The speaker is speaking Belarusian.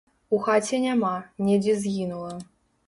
У хаце няма, недзе згінула.